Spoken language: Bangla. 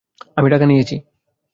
আমি টাকা নিয়েছি!